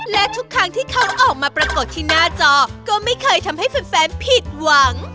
และทุกครั้งที่เขาออกมาปรากฏที่หน้าจอก็ไม่เคยทำให้แฟนผิดหวัง